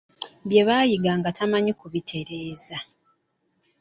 Bye bayiga nga tabamanyi kubitereeza.